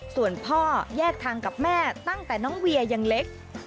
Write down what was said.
ส่วนพ่อแยกทางกับแม่ตั้งแต่น้องเวียยังเล็ก